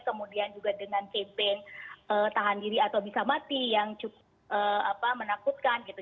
kemudian juga dengan campaign tahan diri atau bisa mati yang cukup menakutkan gitu